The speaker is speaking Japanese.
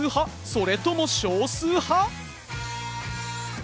それとも少数派？